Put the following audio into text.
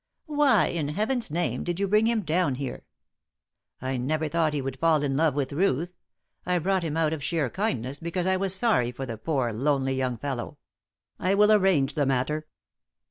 "Why, in Heaven's name, did you bring him down here?" "I never thought he would fall in love with Ruth. I brought him out of sheer kindness, because I was sorry for the poor, lonely young fellow. I will arrange the matter.